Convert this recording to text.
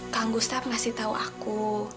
kang gustaf ngasih tahu aku